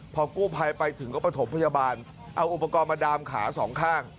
พอกู้ภัยไปถึงก็ประถมพยาบาลเอาอุปกรณ์มาดามขาสองข้าง